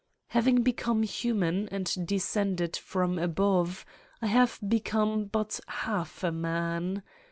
Having become human and descended from above I have become but half a man.